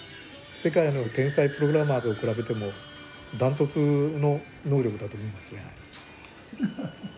世界の天才プログラマーと比べても断トツの能力だと思いますね。